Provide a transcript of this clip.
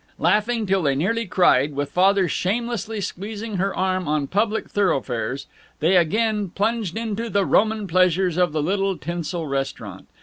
Laughing till they nearly cried, with Father shamelessly squeezing her arm on public thoroughfares, they again plunged into the Roman pleasures of the little tinsel restaurant.